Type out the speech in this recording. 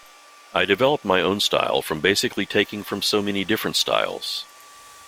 I developed my own style from basically taking from so many different styles.